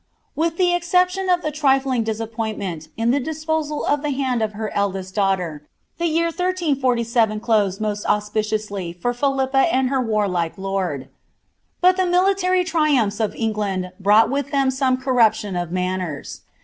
With the exception of the trifling disappointment in the disposal of the land of her eldest daughter, the year 1347 closed most auspiciously for Philippe and her waiiike lord. But the military triumphs of England mmght with them some corruption of manners.